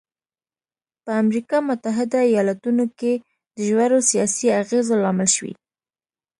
په امریکا متحده ایالتونو کې د ژورو سیاسي اغېزو لامل شوی.